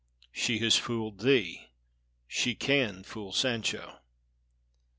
She has fooled thee; she can fool Sancho."